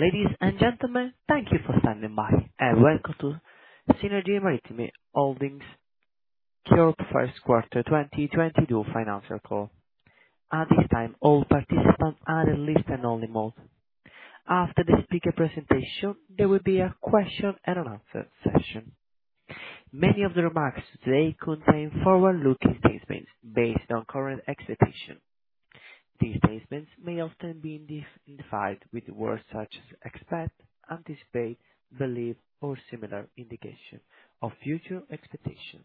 Ladies and gentlemen, thank you for standing by, and welcome to Seanergy Maritime Holdings Corp. First Quarter 2022 financial call. At this time, all participants are in listen-only mode. After the speaker presentation, there will be a question and answer session. Many of the remarks today contain forward-looking statements based on current expectations. These statements may often be identified with words such as expect, anticipate, believe, or similar indications of future expectations.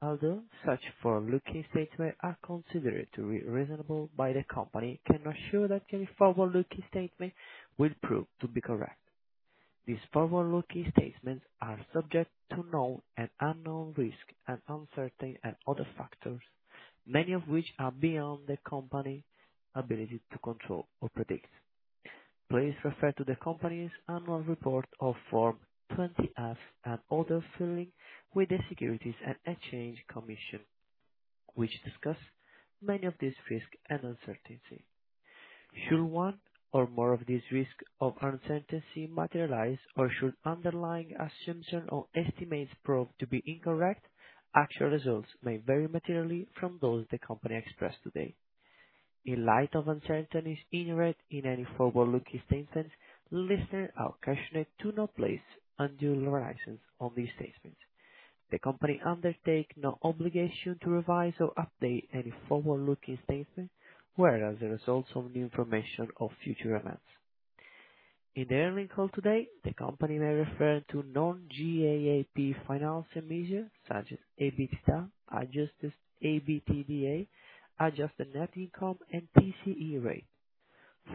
Although such forward-looking statements are considered to be reasonable by the company, it cannot ensure that any forward-looking statement will prove to be correct. These forward-looking statements are subject to known and unknown risks and uncertainties and other factors, many of which are beyond the company's ability to control or predict. Please refer to the company's Annual Report on Form 20-F and other filings with the Securities and Exchange Commission, which discuss many of these risks and uncertainties. Should one or more of these risks or uncertainties materialize, or should underlying assumptions or estimates prove to be incorrect, actual results may vary materially from those the company expressed today. In light of uncertainties inherent in any forward-looking statements, listeners are cautioned not to place undue reliance on these statements. The company undertakes no obligation to revise or update any forward-looking statement, whether as a result of new information or future events. In the earnings call today, the company may refer to non-GAAP financial measures such as EBITDA, adjusted EBITDA, adjusted net income, and TCE rate.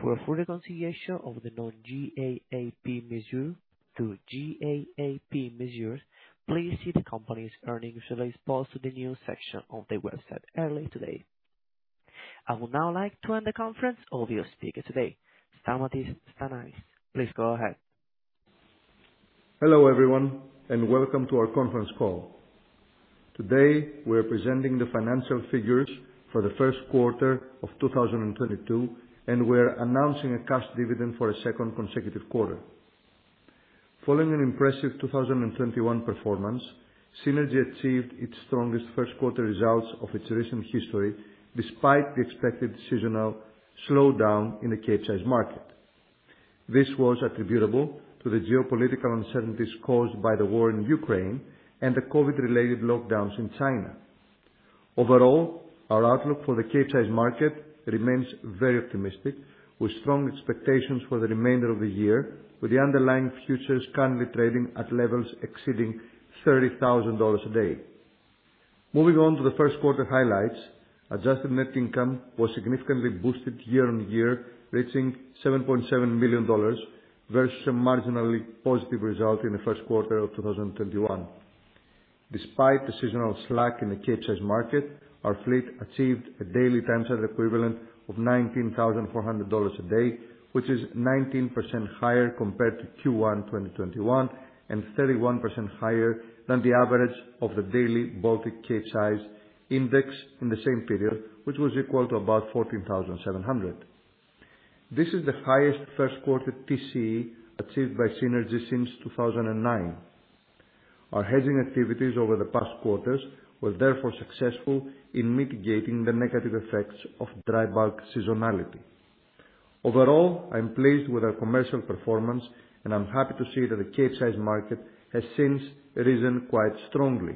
For a full reconciliation of the non-GAAP measures to GAAP measures, please see the company's earnings release posted to the news section of the website early today. I would now like to hand the conference over to your speaker today, Stamatis Tsantanis. Please go ahead. Hello, everyone, and welcome to our conference call. Today, we're presenting the financial figures for the first quarter of 2022, and we're announcing a cash dividend for a second consecutive quarter. Following an impressive 2021 performance, Seanergy achieved its strongest first quarter results of its recent history despite the expected seasonal slowdown in the Capesize market. This was attributable to the geopolitical uncertainties caused by the war in Ukraine and the COVID-related lockdowns in China. Overall, our outlook for the Capesize market remains very optimistic, with strong expectations for the remainder of the year, with the underlying futures currently trading at levels exceeding $30,000 a day. Moving on to the first quarter highlights. Adjusted net income was significantly boosted year-on-year, reaching $7.7 million versus a marginally positive result in the first quarter of 2021. Despite the seasonal slack in the Capesize market, our fleet achieved a daily TCE of $19,400 a day, which is 19% higher compared to Q1 2021, and 31% higher than the average of the daily Baltic Capesize Index in the same period, which was equal to about $14,700. This is the highest first quarter TCE achieved by Seanergy since 2009. Our hedging activities over the past quarters were therefore successful in mitigating the negative effects of dry bulk seasonality. Overall, I'm pleased with our commercial performance, and I'm happy to see that the Capesize market has since risen quite strongly.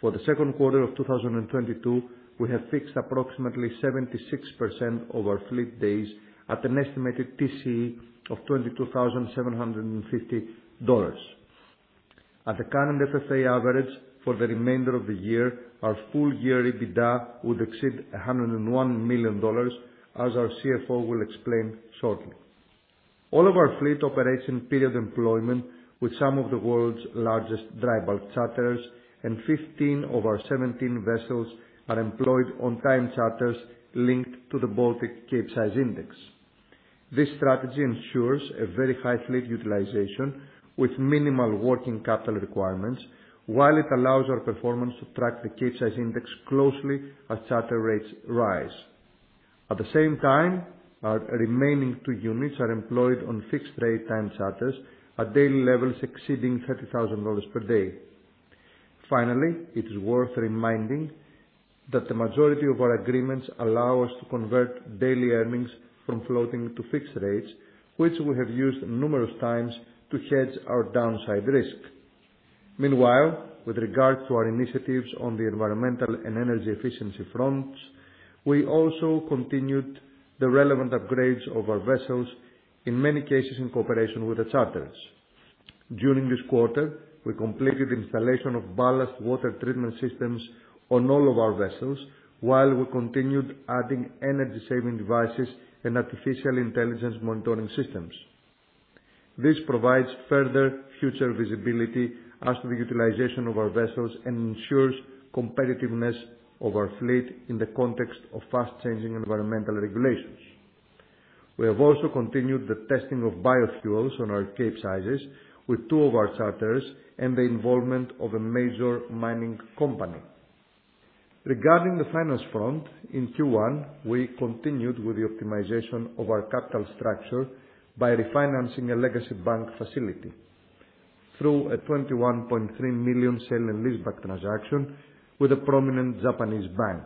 For the second quarter of 2022, we have fixed approximately 76% of our fleet days at an estimated TCE of $22,750. At the current FFA average for the remainder of the year, our full year EBITDA would exceed $101 million, as our CFO will explain shortly. All of our fleet operation period employment with some of the world's largest dry bulk charters and 15 of our 17 vessels are employed on time charters linked to the Baltic Capesize Index. This strategy ensures a very high fleet utilization with minimal working capital requirements, while it allows our performance to track the Capesize Index closely as charter rates rise. At the same time, our remaining two units are employed on fixed-rate time charters at daily levels exceeding $30,000 per day. Finally, it is worth reminding that the majority of our agreements allow us to convert daily earnings from floating to fixed rates, which we have used numerous times to hedge our downside risk. Meanwhile, with regards to our initiatives on the environmental and energy efficiency fronts, we also continued the relevant upgrades of our vessels, in many cases in cooperation with the charters. During this quarter, we completed installation of ballast water treatment systems on all of our vessels while we continued adding energy saving devices and artificial intelligence monitoring systems. This provides further future visibility as to the utilization of our vessels and ensures competitiveness of our fleet in the context of fast-changing environmental regulations. We have also continued the testing of biofuels on our Cape sizes with two of our charters and the involvement of a major mining company. Regarding the finance front, in Q1, we continued with the optimization of our capital structure by refinancing a legacy bank facility through a $21.3 million sale and leaseback transaction with a prominent Japanese bank,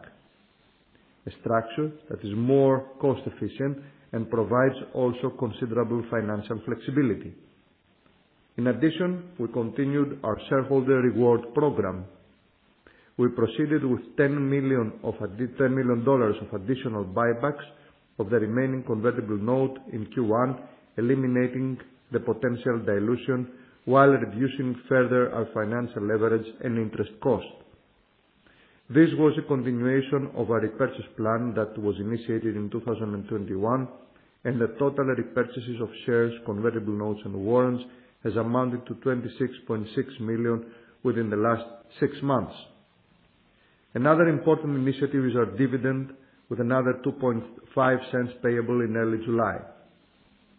a structure that is more cost efficient and provides also considerable financial flexibility. In addition, we continued our shareholder reward program. We proceeded with $10 million of additional buybacks of the remaining convertible note in Q1, eliminating the potential dilution while reducing further our financial leverage and interest cost. This was a continuation of our repurchase plan that was initiated in 2021, and the total repurchases of shares, convertible notes, and warrants has amounted to $26.6 million within the last six months. Another important initiative is our dividend, with another $0.025 payable in early July.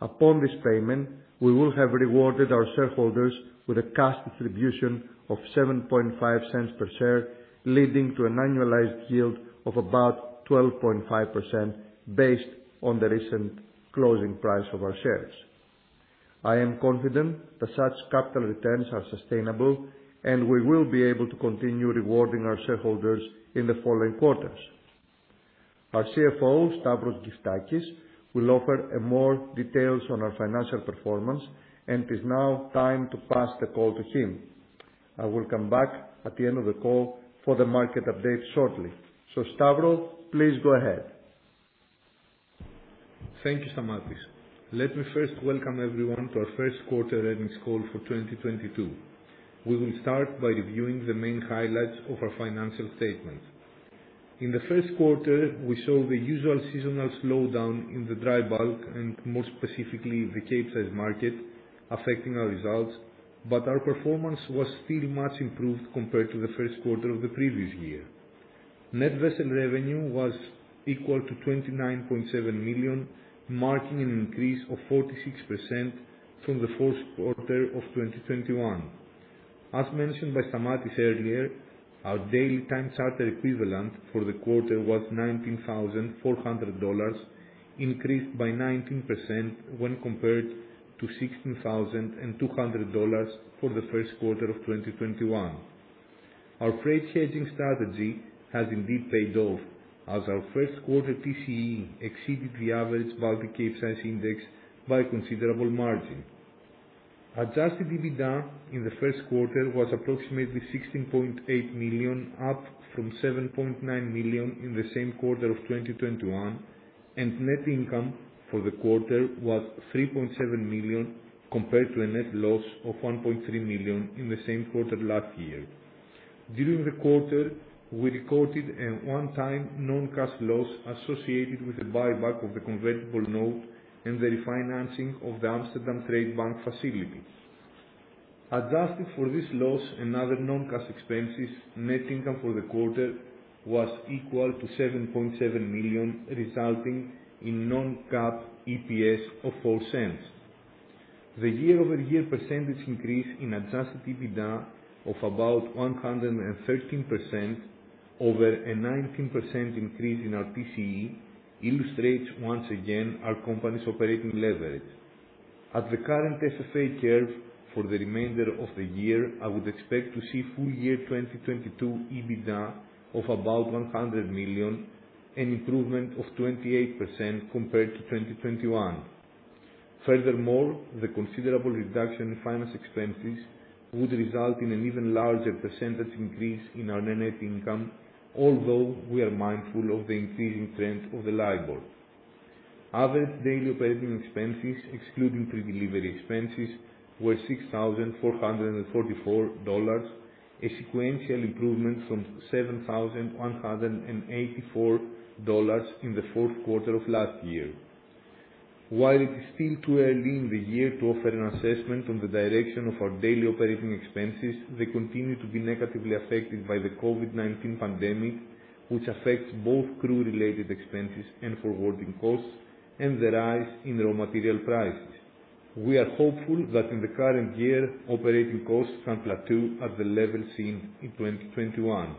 Upon this payment, we will have rewarded our shareholders with a cash distribution of $0.075 per share, leading to an annualized yield of about 12.5% based on the recent closing price of our shares. I am confident that such capital returns are sustainable, and we will be able to continue rewarding our shareholders in the following quarters. Our CFO, Stavros Gyftakis, will offer more details on our financial performance, and it is now time to pass the call to him. I will come back at the end of the call for the market update shortly. Stavros, please go ahead. Thank you, Stamatis. Let me first welcome everyone to our first quarter earnings call for 2022. We will start by reviewing the main highlights of our financial statement. In the first quarter, we saw the usual seasonal slowdown in the dry bulk and more specifically the Capesize market affecting our results, but our performance was still much improved compared to the first quarter of the previous year. Net vessel revenue was equal to $29.7 million, marking an increase of 46% from the fourth quarter of 2021. As mentioned by Stamatis earlier, our daily time charter equivalent for the quarter was $19,400, increased by 19% when compared to $16,200 for the first quarter of 2021. Our freight hedging strategy has indeed paid off as our first quarter TCE exceeded the average Baltic Capesize Index by a considerable margin. Adjusted EBITDA in the first quarter was approximately $16.8 million, up from $7.9 million in the same quarter of 2021, and net income for the quarter was $3.7 million compared to a net loss of $1.3 million in the same quarter last year. During the quarter, we recorded a one-time non-cash loss associated with the buyback of the convertible note and the refinancing of the Amsterdam Trade Bank facility. Adjusted for this loss and other non-cash expenses, net income for the quarter was equal to $7.7 million, resulting in non-GAAP EPS of $0.04. The year-over-year percentage increase in adjusted EBITDA of about 113% over a 19% increase in our TCE illustrates once again our company's operating leverage. At the current FFA curve for the remainder of the year, I would expect to see full year 2022 EBITDA of about $100 million, an improvement of 28% compared to 2021. Furthermore, the considerable reduction in finance expenses would result in an even larger percentage increase in our net income, although we are mindful of the increasing trend of the LIBOR. Average daily operating expenses, excluding predelivery expenses, were $6,444, a sequential improvement from $7,184 in the fourth quarter of last year. While it is still too early in the year to offer an assessment on the direction of our daily operating expenses, they continue to be negatively affected by the COVID-19 pandemic, which affects both crew-related expenses and forwarding costs and the rise in raw material prices. We are hopeful that in the current year, operating costs can plateau at the level seen in 2021.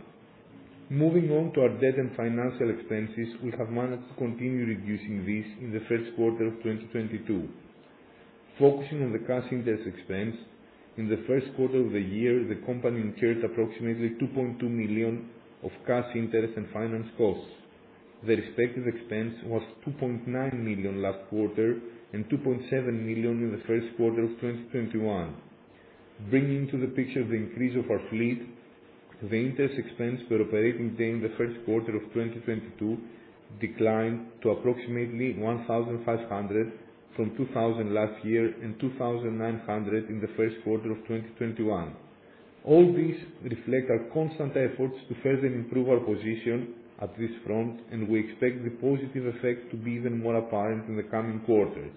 Moving on to our debt and financial expenses, we have managed to continue reducing this in the first quarter of 2022. Focusing on the cash interest expense, in the first quarter of the year, the company incurred approximately $2.2 million of cash interest and finance costs. The respective expense was $2.9 million last quarter and $2.7 million in the first quarter of 2021. Bringing into the picture the increase of our fleet, the interest expense per operating day in the first quarter of 2022 declined to approximately $1,500 from $2,000 last year and $2,900 in the first quarter of 2021. All these reflect our constant efforts to further improve our position at this front, and we expect the positive effect to be even more apparent in the coming quarters.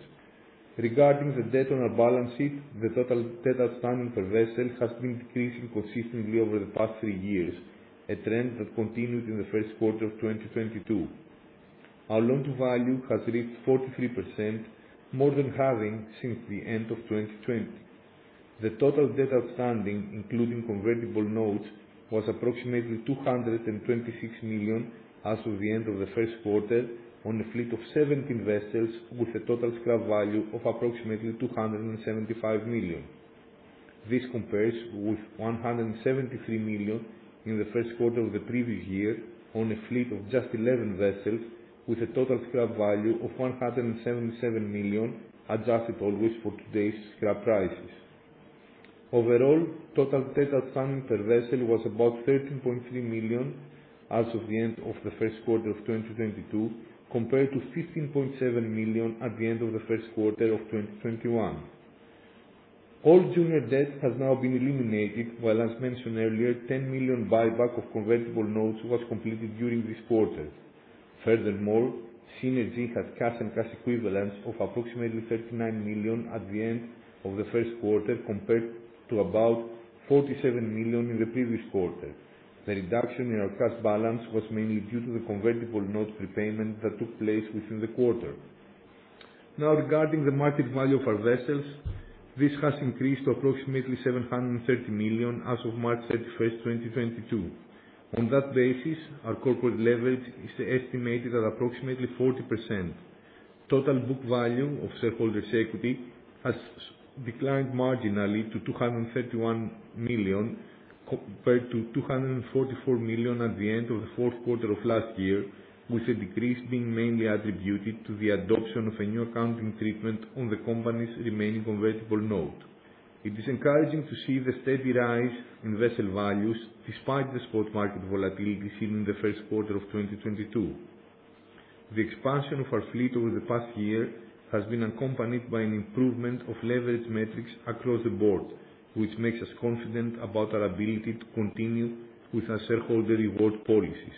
Regarding the debt on our balance sheet, the total debt outstanding per vessel has been decreasing consistently over the past 3 years, a trend that continued in the first quarter of 2022. Our loan-to-value has reached 43%, more than halving since the end of 2020. The total debt outstanding, including convertible notes, was approximately $226 million as of the end of the first quarter on a fleet of 70 vessels with a total scrap value of approximately $275 million. This compares with $173 million in the first quarter of the previous year on a fleet of just 11 vessels with a total scrap value of $177 million, adjusted always for today's scrap prices. Overall, total debt outstanding per vessel was about $13.3 million as of the end of the first quarter of 2022, compared to $15.7 million at the end of the first quarter of 2021. All junior debt has now been eliminated, while as mentioned earlier, $10 million buyback of convertible notes was completed during this quarter. Furthermore, Seanergy has cash and cash equivalents of approximately $39 million at the end of the first quarter, compared to about $47 million in the previous quarter. The reduction in our cash balance was mainly due to the convertible notes prepayment that took place within the quarter. Now regarding the market value of our vessels, this has increased to approximately $730 million as of March 31, 2022. On that basis, our corporate leverage is estimated at approximately 40%. Total book value of shareholders' equity has declined marginally to $231 million compared to $244 million at the end of the fourth quarter of last year, with the decrease being mainly attributed to the adoption of a new accounting treatment on the company's remaining convertible note. It is encouraging to see the steady rise in vessel values despite the spot market volatility seen in the first quarter of 2022. The expansion of our fleet over the past year has been accompanied by an improvement of leverage metrics across the board, which makes us confident about our ability to continue with our shareholder reward policies.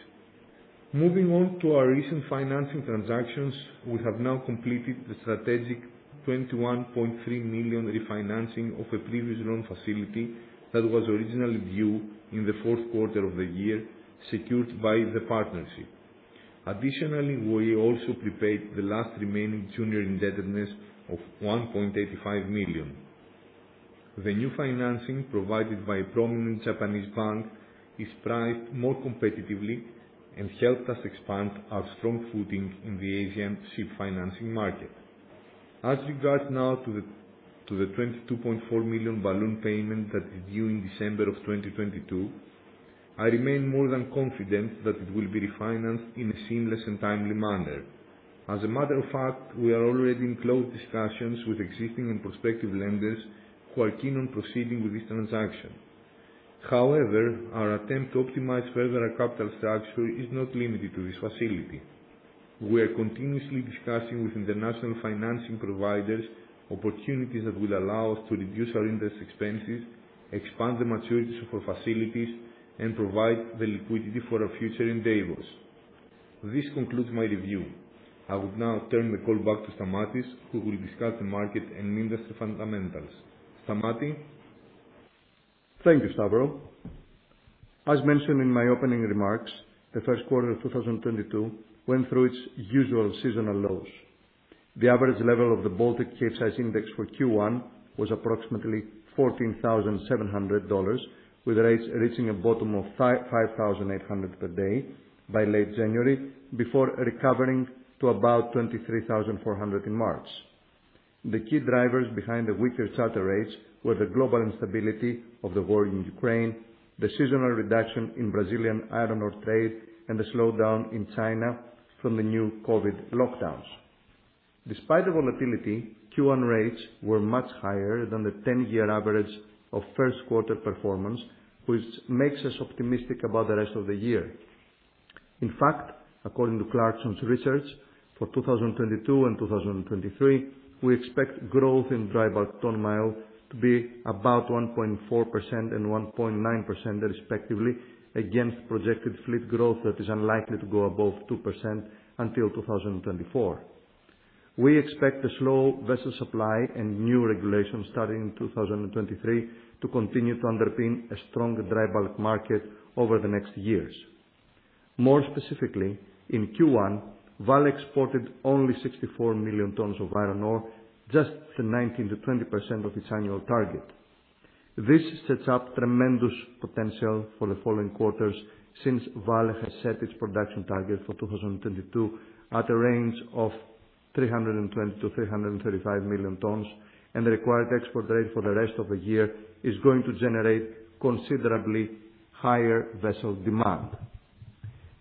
Moving on to our recent financing transactions, we have now completed the strategic $21.3 million refinancing of a previous loan facility that was originally due in the fourth quarter of the year, secured by the Partnership. Additionally, we also prepaid the last remaining junior indebtedness of $1.85 million. The new financing provided by a prominent Japanese bank is priced more competitively and helped us expand our strong footing in the Asian ship financing market. As regards now to the $22.4 million balloon payment that is due in December of 2022, I remain more than confident that it will be refinanced in a seamless and timely manner. As a matter of fact, we are already in close discussions with existing and prospective lenders who are keen on proceeding with this transaction. However, our attempt to optimize further our capital structure is not limited to this facility. We are continuously discussing with international financing providers opportunities that will allow us to reduce our interest expenses, expand the maturities of our facilities, and provide the liquidity for our future endeavors. This concludes my review. I would now turn the call back to Stamatis, who will discuss the market and industry fundamentals. Stamatis. Thank you, Stavros. As mentioned in my opening remarks, the first quarter of 2022 went through its usual seasonal lows. The average level of the Baltic Capesize Index for Q1 was approximately $14,700, with rates reaching a bottom of $5,800 per day by late January before recovering to about $23,400 in March. The key drivers behind the weaker charter rates were the global instability of the war in Ukraine, the seasonal reduction in Brazilian iron ore trade, and the slowdown in China from the new COVID lockdowns. Despite the volatility, Q1 rates were much higher than the 10-year average of first quarter performance, which makes us optimistic about the rest of the year. In fact, according to Clarksons Research, for 2022 and 2023, we expect growth in dry bulk ton-mile to be about 1.4% and 1.9% respectively against projected fleet growth that is unlikely to go above 2% until 2024. We expect the slow vessel supply and new regulations starting in 2023 to continue to underpin a stronger dry bulk market over the next years. More specifically, in Q1, Vale exported only 64 million tons of iron ore, just than 19%-20% of its annual target. This sets up tremendous potential for the following quarters since Vale has set its production target for 2022 at a range of 320 million-335 million tons, and the required export rate for the rest of the year is going to generate considerably higher vessel demand.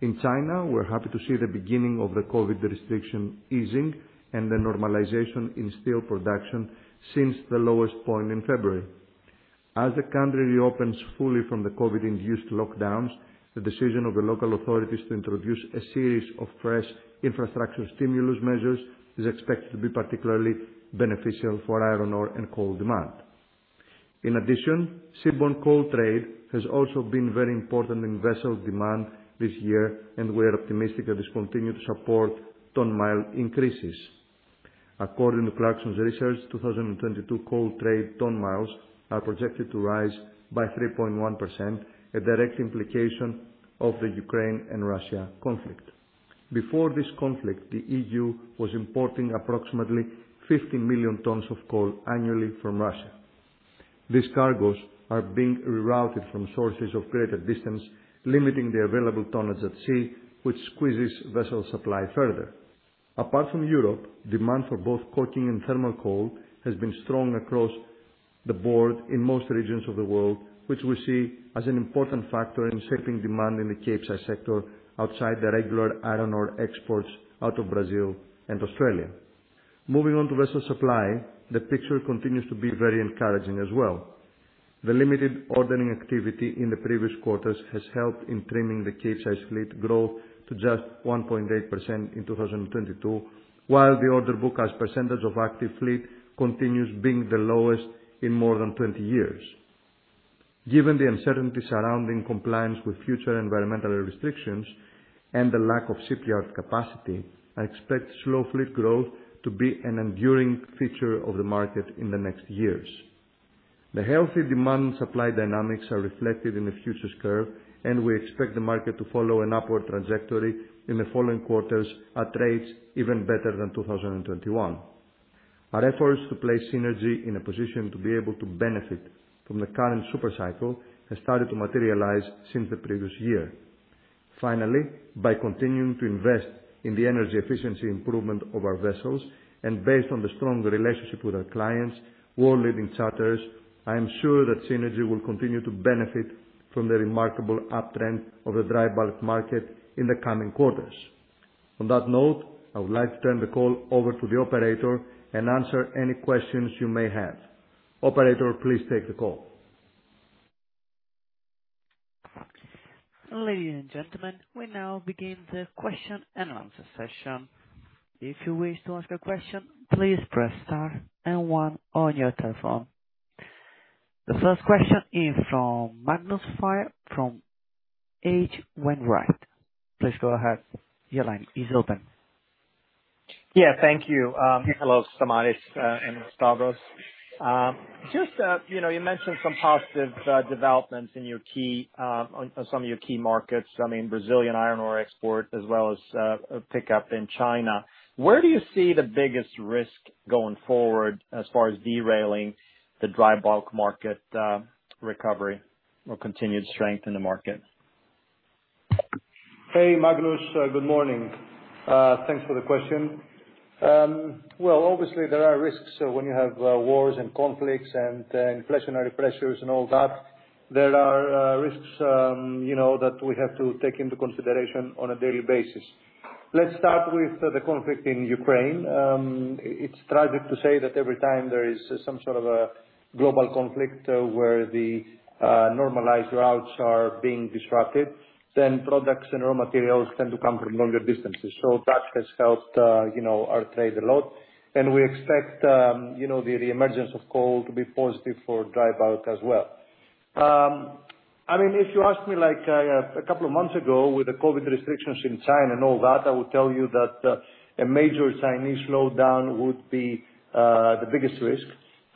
In China, we're happy to see the beginning of the COVID restriction easing and the normalization in steel production since the lowest point in February. As the country reopens fully from the COVID-induced lockdowns, the decision of the local authorities to introduce a series of fresh infrastructure stimulus measures is expected to be particularly beneficial for iron ore and coal demand. In addition, seaborne coal trade has also been very important in vessel demand this year, and we are optimistic that this will continue to support ton-mile increases. According to Clarksons Research, 2022 coal trade ton-miles are projected to rise by 3.1%, a direct implication of the Ukraine and Russia conflict. Before this conflict, the EU was importing approximately 50 million tons of coal annually from Russia. These cargos are being rerouted from sources of greater distance, limiting the available tonnage at sea, which squeezes vessel supply further. Apart from Europe, demand for both coking and thermal coal has been strong across the board in most regions of the world, which we see as an important factor in shaping demand in the Capesize sector outside the regular iron ore exports out of Brazil and Australia. Moving on to vessel supply, the picture continues to be very encouraging as well. The limited ordering activity in the previous quarters has helped in trimming the Capesize fleet growth to just 1.8% in 2022, while the order book as percentage of active fleet continues being the lowest in more than 20 years. Given the uncertainty surrounding compliance with future environmental restrictions and the lack of shipyard capacity, I expect slow fleet growth to be an enduring feature of the market in the next years. The healthy demand supply dynamics are reflected in the futures curve, and we expect the market to follow an upward trajectory in the following quarters at rates even better than 2021. Our efforts to place Seanergy in a position to be able to benefit from the current super cycle has started to materialize since the previous year. Finally, by continuing to invest in the energy efficiency improvement of our vessels and based on the strong relationship with our clients, world-leading charters, I am sure that Seanergy will continue to benefit from the remarkable uptrend of the dry bulk market in the coming quarters. On that note, I would like to turn the call over to the operator and answer any questions you may have. Operator, please take the call. Ladies and gentlemen, we now begin the question and answer session. If you wish to ask a question, please press Star and One on your telephone. The first question is from Magnus Fyhr from H.C. Wainwright. Please go ahead. Your line is open. Yeah, thank you. Hello, Stamatis, and Stavros. Just, you know, you mentioned some positive developments on some of your key markets. I mean, Brazilian iron ore export as well as a pickup in China. Where do you see the biggest risk going forward as far as derailing the dry bulk market recovery or continued strength in the market? Hey, Magnus. Good morning. Thanks for the question. Well, obviously there are risks when you have wars and conflicts and inflationary pressures and all that. There are risks, you know, that we have to take into consideration on a daily basis. Let's start with the conflict in Ukraine. It's tragic to say that every time there is some sort of a global conflict where the normalized routes are being disrupted, then products and raw materials tend to come from longer distances. So that has helped, you know, our trade a lot. We expect, you know, the emergence of coal to be positive for dry bulk as well. I mean, if you asked me like, a couple of months ago with the COVID restrictions in China and all that, I would tell you that, a major Chinese slowdown would be, the biggest risk.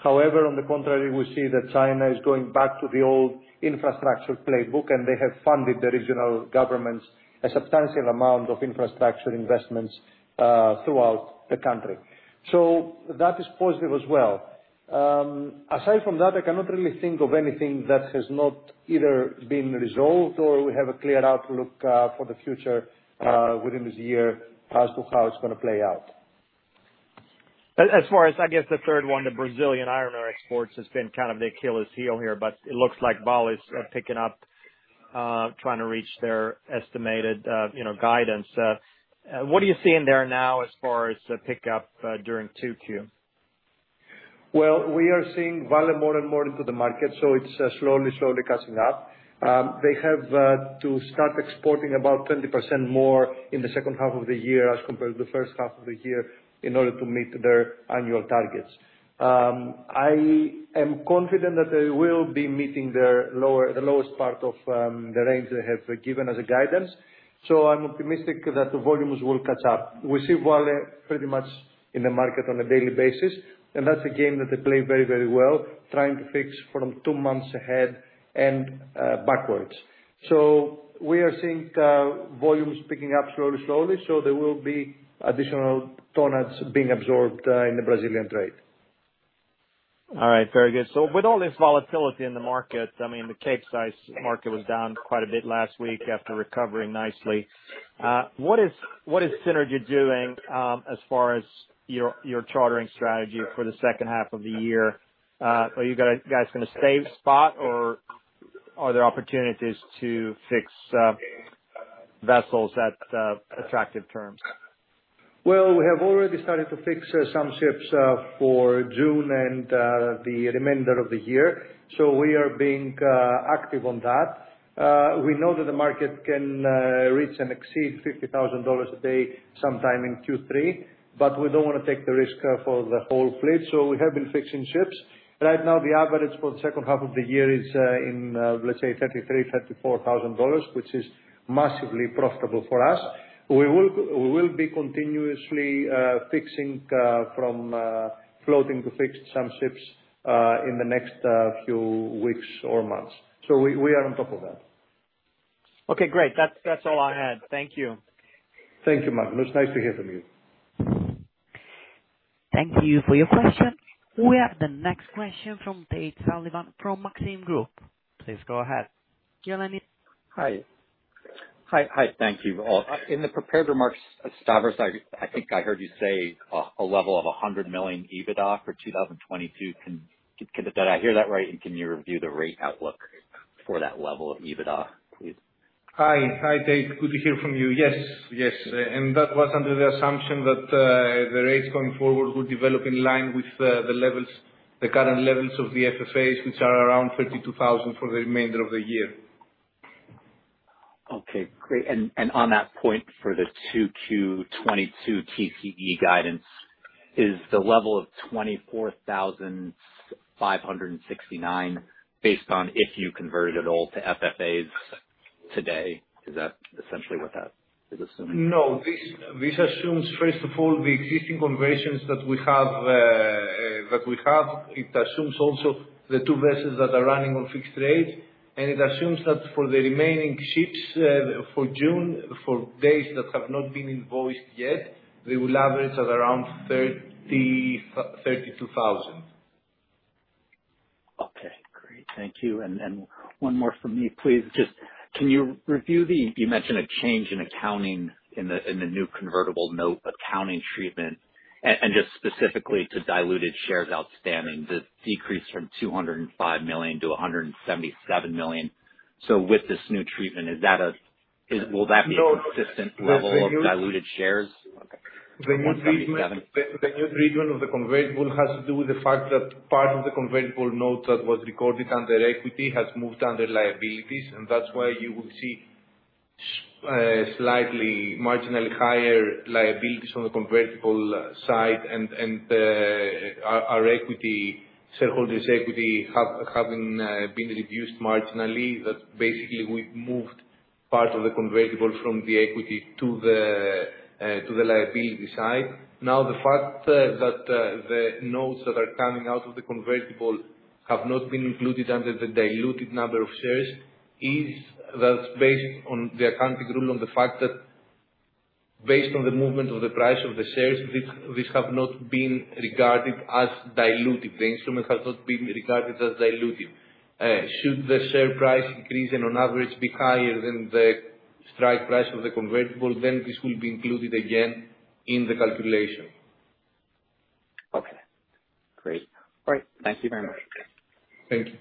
However, on the contrary, we see that China is going back to the old infrastructure playbook, and they have funded the regional governments a substantial amount of infrastructure investments, throughout the country. That is positive as well. Aside from that, I cannot really think of anything that has not either been resolved or we have a clear outlook, for the future, within this year as to how it's gonna play out. As far as, I guess, the third one, the Brazilian iron ore exports has been kind of the Achilles heel here, but it looks like Vale is picking up, trying to reach their estimated, you know, guidance. What are you seeing there now as far as the pickup, during 2Q? We are seeing Vale more and more into the market, so it's slowly catching up. They have to start exporting about 20% more in the second half of the year as compared to the first half of the year in order to meet their annual targets. I am confident that they will be meeting the lowest part of the range they have given as a guidance. I'm optimistic that the volumes will catch up. We see Vale pretty much in the market on a daily basis, and that's a game that they play very, very well, trying to fix from two months ahead and backwards. We are seeing volumes picking up slowly, so there will be additional tonnage being absorbed in the Brazilian trade. All right, very good. With all this volatility in the market, I mean, the Capesize market was down quite a bit last week after recovering nicely. What is Seanergy doing as far as your chartering strategy for the second half of the year? Are you guys gonna stay spot or are there opportunities to fix vessels at attractive terms? Well, we have already started to fix some ships for June and the remainder of the year, so we are being active on that. We know that the market can reach and exceed $50,000 a day sometime in Q3, but we don't wanna take the risk for the whole fleet, so we have been fixing ships. Right now the average for the second half of the year is, let's say $33,000-$34,000, which is massively profitable for us. We will be continuously fixing from floating to fixed some ships in the next few weeks or months. We are on top of that. Okay, great. That's all I had. Thank you. Thank you, Magnus. Nice to hear from you. Thank you for your question. We have the next question from Tate Sullivan from Maxim Group. Please go ahead. Hi. Hi. Hi. Thank you. In the prepared remarks, Stavros, I think I heard you say a level of $100 million EBITDA for 2022. Can I hear that right? Can you review the rate outlook for that level of EBITDA, please? Hi. Hi, Tate. Good to hear from you. Yes. That was under the assumption that the rates going forward will develop in line with the levels, the current levels of the FFAs, which are around $32,000 for the remainder of the year. Okay, great. On that point for the 2Q 2022 TCE guidance, is the level of $24,569 based on if you converted it all to FFAs today, is that essentially what that is assuming? No. This assumes, first of all, the existing conversions that we have. It assumes also the two vessels that are running on fixed rates. It assumes that for the remaining ships, for June, for days that have not been invoiced yet, they will average at around $32,000. Okay. Great. Thank you. One more from me, please. Just, can you review the change in accounting in the new convertible note accounting treatment you mentioned. And just specifically to diluted shares outstanding, the decrease from 205 million to 177 million. With this new treatment, will that be- No. A consistent level of diluted shares? The new treatment. 177 million. The new treatment of the convertible has to do with the fact that part of the convertible note that was recorded under equity has moved under liabilities, and that's why you will see slightly marginally higher liabilities on the convertible side and our equity, shareholders' equity has been reduced marginally. That basically we've moved part of the convertible from the equity to the liability side. Now, the fact that the notes that are coming out of the convertible have not been included under the diluted number of shares is that's based on the accounting rule on the fact that based on the movement of the price of the shares, this has not been regarded as dilutive. The instrument has not been regarded as dilutive. Should the share price increase and on average be higher than the strike price of the convertible, then this will be included again in the calculation. Okay, great. All right. Thank you very much. Thank you.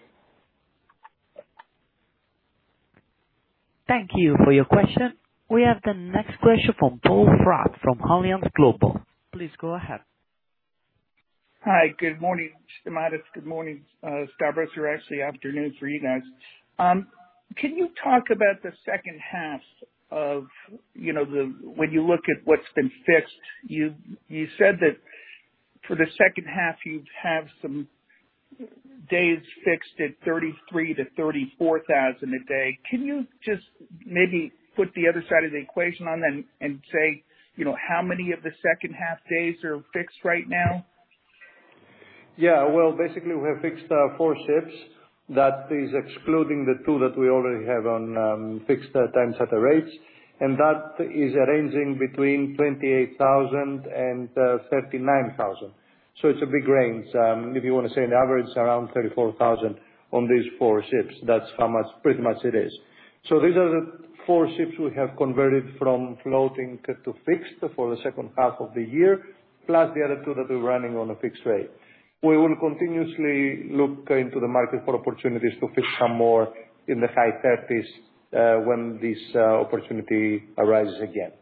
Thank you for your question. We have the next question from Poe Fratt from Alliance Global Partners. Please go ahead. Hi. Good morning, Stamatis. Good morning, Stavros. Or actually afternoon for you guys. Can you talk about the second half of, you know, when you look at what's been fixed? You said that for the second half, you have some days fixed at $33,000-$34,000 a day. Can you just maybe put the other side of the equation on then and say, you know, how many of the second half days are fixed right now? Yeah. Well, basically, we have fixed four ships. That is excluding the two that we already have on fixed time charter rates. That is ranging between $28,000 and $39,000. It's a big range. If you wanna say an average around $34,000 on these four ships, that's how much pretty much it is. These are the four ships we have converted from floating to fixed for the second half of the year, plus the other two that we're running on a fixed rate. We will continuously look into the market for opportunities to fix some more in the high 30s when this opportunity arises again.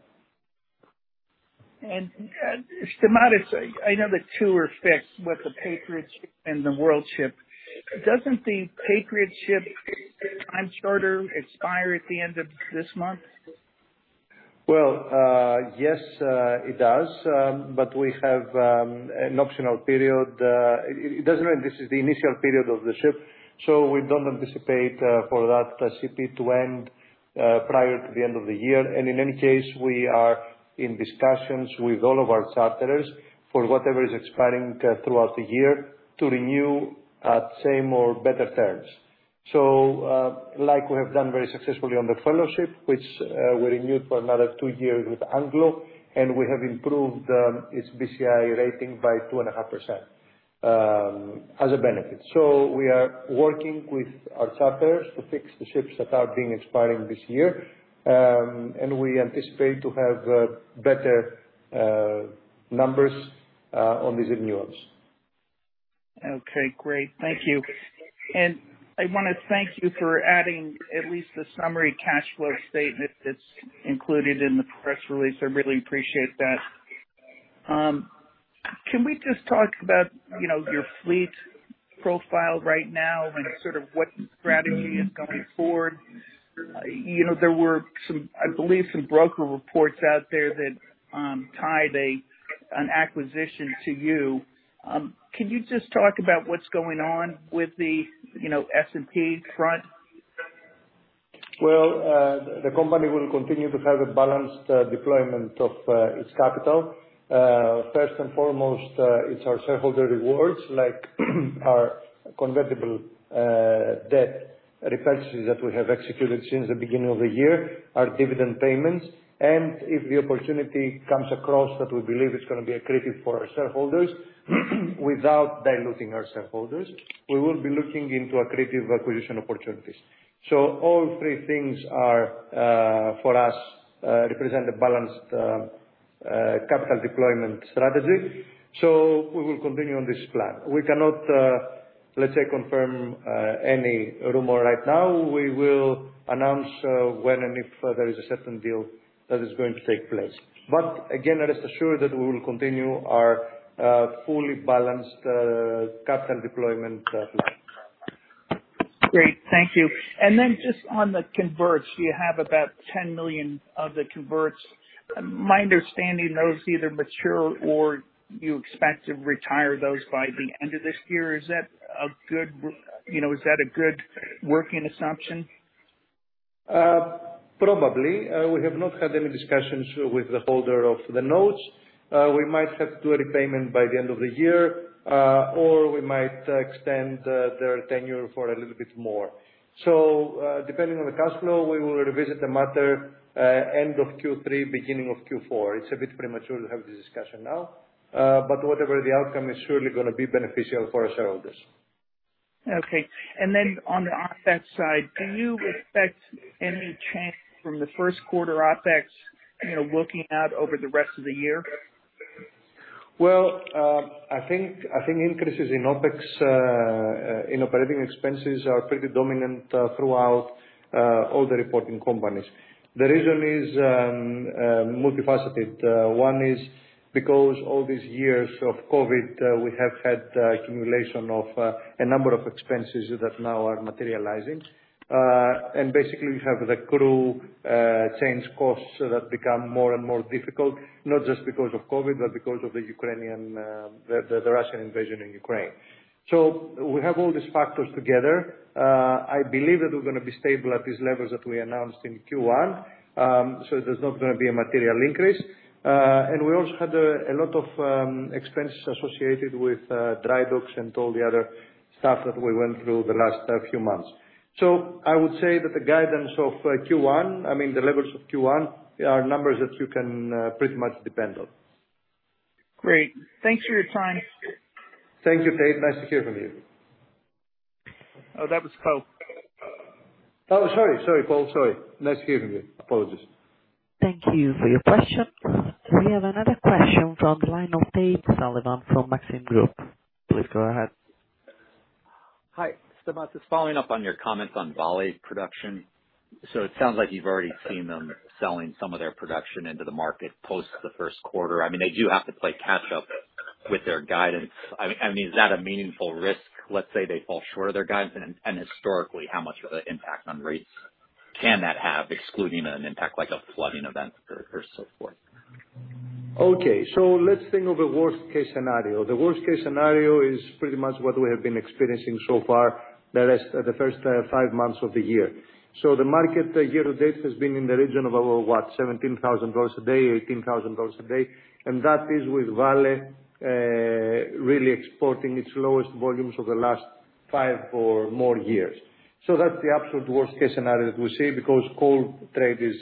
Stamatis, I know the two are fixed with the Patriotship and the Worldship. Doesn't the Patriotship time charter expire at the end of this month? Well, yes, it does. But we have an optional period. It doesn't end. This is the initial period of the ship, so we don't anticipate for that ship to end prior to the end of the year. In any case, we are in discussions with all of our charterers for whatever is expiring throughout the year to renew at same or better terms. Like we have done very successfully on the Fellowship, which we renewed for another two years with Anglo, and we have improved its BCI rating by 2.5% as a benefit. We are working with our charterers to fix the ships that are being expiring this year, and we anticipate to have better numbers on these renewals. Okay. Great. Thank you. I wanna thank you for adding at least the summary cash flow statement that's included in the press release. I really appreciate that. Can we just talk about, you know, your fleet profile right now and sort of what strategy is going forward? You know, there were some. I believe some broker reports out there that tied an acquisition to you. Can you just talk about what's going on with the, you know, S&P front? Well, the company will continue to have a balanced deployment of its capital. First and foremost, it's our shareholder returns, like our convertible debt repurchase that we have executed since the beginning of the year, our dividend payments, and if the opportunity comes across that we believe it's gonna be accretive for our shareholders without diluting our shareholders, we will be looking into accretive acquisition opportunities. All three things, for us, represent a balanced capital deployment strategy. We will continue on this plan. We cannot, let's say, confirm any rumor right now. We will announce when and if there is a certain deal that is going to take place. Again, rest assured that we will continue our fully balanced capital deployment plan. Great. Thank you. Just on the converts, you have about $10 million of the converts. My understanding those either mature or you expect to retire those by the end of this year. Is that a good, you know, working assumption? Probably. We have not had any discussions with the holder of the notes. We might have to do a repayment by the end of the year, or we might extend their tenor for a little bit more. Depending on the cash flow, we will revisit the matter end of Q3, beginning of Q4. It's a bit premature to have this discussion now, but whatever the outcome is surely gonna be beneficial for our shareholders. Okay. On the OpEx side, do you expect any change from the first quarter OpEx, you know, looking out over the rest of the year? I think increases in OpEx in operating expenses are pretty dominant throughout all the reporting companies. The reason is multifaceted. One is because all these years of COVID we have had accumulation of a number of expenses that now are materializing. Basically we have the crew change costs that become more and more difficult, not just because of COVID, but because of the Russian invasion in Ukraine. We have all these factors together. I believe that we're gonna be stable at these levels that we announced in Q1, so there's not gonna be a material increase. We also had a lot of expenses associated with dry docks and all the other stuff that we went through the last few months. I would say that the guidance of Q1, I mean, the levels of Q1, they are numbers that you can pretty much depend on. Great. Thanks for your time. Thank you, Tate Sullivan. Nice to hear from you. Oh, that was Poe Fratt. Oh, sorry, Poe. Sorry. Nice hearing you. Apologies. Thank you for your question. We have another question from the line of Tate Sullivan from Maxim Group. Please go ahead. Hi. Stamatis, following up on your comments on Vale production, so it sounds like you've already seen them selling some of their production into the market post the first quarter. I mean, they do have to play catch up with their guidance. I mean, is that a meaningful risk, let's say they fall short of their guidance? Historically, how much of an impact on rates can that have, excluding an impact like a flooding event or so forth? Okay, let's think of a worst case scenario. The worst case scenario is pretty much what we have been experiencing so far, the first five months of the year. The market year to date has been in the region of, what? $17,000 a day, $18,000 a day, and that is with Vale really exporting its lowest volumes over the last five or more years. That's the absolute worst case scenario that we see because coal trade is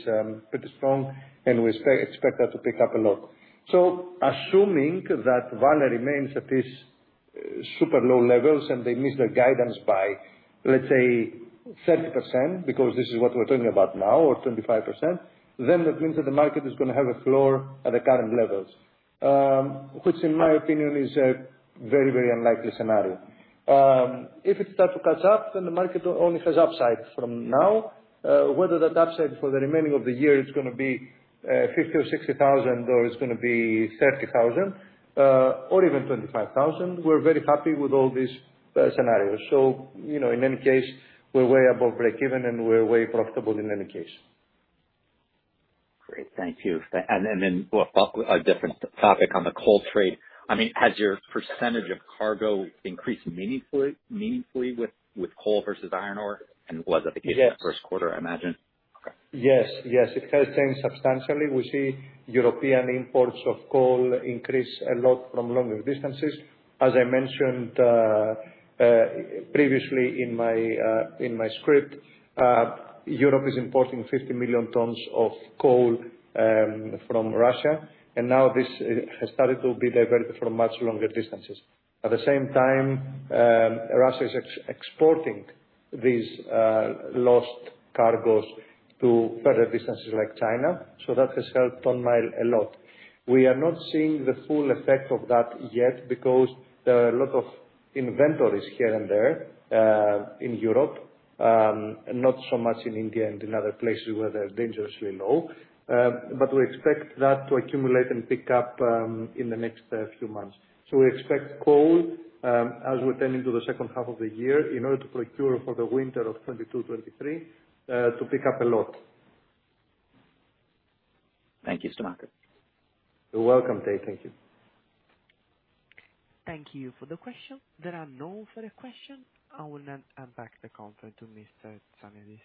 pretty strong, and we expect that to pick up a lot. Assuming that Vale remains at this super low levels and they miss their guidance by, let's say, 30%, because this is what we're talking about now, or 25%, then that means that the market is gonna have a floor at the current levels. Which in my opinion is a very, very unlikely scenario. If it starts to catch up, then the market only has upside from now. Whether that upside for the remaining of the year is gonna be $50,000 or $60,000 or it's gonna be $30,000 or even $25,000 we're very happy with all these scenarios. You know, in any case, we're way above break even and we're way profitable in any case. Great. Thank you. Then we'll follow a different topic on the coal trade. I mean, has your percentage of cargo increased meaningfully with coal versus iron ore? Was that the case? Yes. The first quarter, I imagine? Okay. Yes. Yes. It has changed substantially. We see European imports of coal increase a lot from longer distances. As I mentioned previously in my script, Europe is importing 50 million tons of coal from Russia, and now this has started to be diverted from much longer distances. At the same time, Russia is exporting these lost cargos to further distances like China, so that has helped ton-mile a lot. We are not seeing the full effect of that yet because there are a lot of inventories here and there in Europe, not so much in India and in other places where they're dangerously low. We expect that to accumulate and pick up in the next few months. We expect coal, as we turn into the second half of the year in order to procure for the winter of 2022, 2023, to pick up a lot. Thank you, Stamatis. You're welcome, Tate Sullivan. Thank you. Thank you for the question. There are no further question. I will now hand back the conference to Mr. Tsantanis.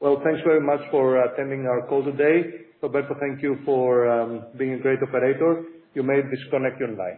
Well, thanks very much for attending our call today. Roberto, thank you for being a great operator. You may disconnect your lines.